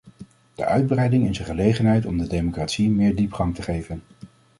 De uitbreiding is een gelegenheid om de democratie meer diepgang te geven.